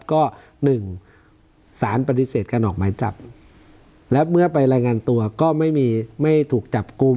ก็หนึ่งสารปฏิเสธการออกหมายจับและเมื่อไปรายงานตัวก็ไม่มีไม่ถูกจับกลุ่ม